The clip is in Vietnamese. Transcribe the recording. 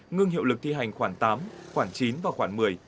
ngưng hiệu lực thi hành khoảng tám khoảng chín và khoảng một mươi